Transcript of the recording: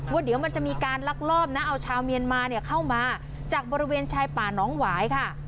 ว่าเดี๋ยวมันจะมีการลักลอบนะเอาชาวเมียนมาเนี่ยเข้ามาจากบริเวณชายป่าน้องหวายค่ะ